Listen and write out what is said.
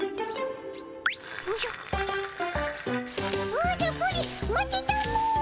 おじゃプリン待ってたも。